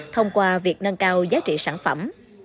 thông qua việc nâng cao giá trị sản phẩm